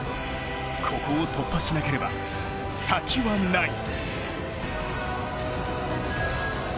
ここを突破しなければ、先はない。